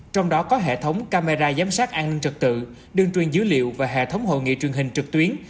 trong đó có hệ thống camera giám sát an ninh trật tự đường truyền dữ liệu và hệ thống hội nghị truyền hình trực tuyến